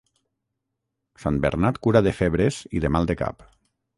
Sant Bernat cura de febres i de mal de cap.